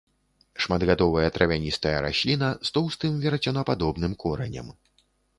Шматгадовая травяністая расліна, з тоўстым верацёнападобным коранем.